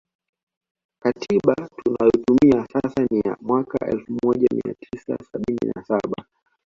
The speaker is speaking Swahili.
Katiba tunayotumia sasa ni ya mwaka elfu moja mia tisa sabini na saba